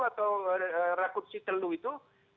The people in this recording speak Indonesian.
atau raku citelu itu